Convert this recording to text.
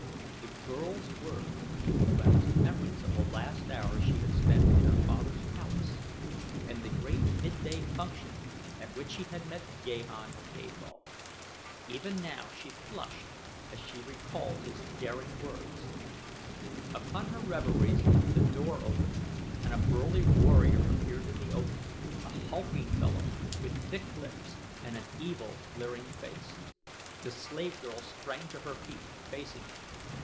The girl's words aroused memories of the last hours she had spent in her father's palace and the great midday function at which she had met Gahan of Gathol. Even now she flushed as she recalled his daring words. Upon her reveries the door opened and a burly warrior appeared in the opening a hulking fellow, with thick lips and an evil, leering face. The slave girl sprang to her feet, facing him.